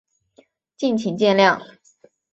敬请见谅